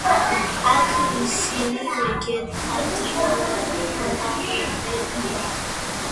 აქ ისინი ვეგეტატიურად მრავლდებიან.